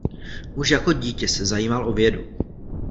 Už jako dítě se zajímal o vědu.